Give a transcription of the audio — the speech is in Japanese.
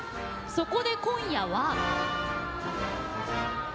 そこで今夜は。